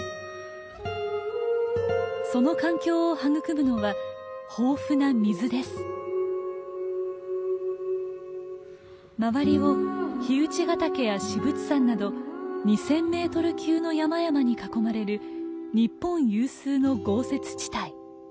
その環境を育むのは周りを燧ヶ岳や至仏山など２，０００メートル級の山々に囲まれる日本有数の豪雪地帯。